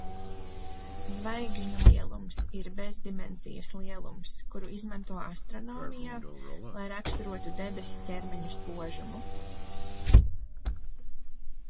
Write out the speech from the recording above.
Zvaigžņlielums ir bezdimensijas lielums, kuru izmanto astronomijā, lai raksturotu debess ķermeņu spožumu.